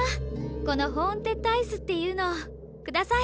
この「ホーンテッドアイス」っていうのください！